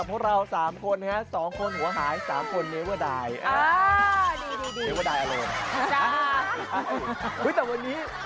ได้เวลามอกัดด้วยสะบัดกับเรา๓คนใน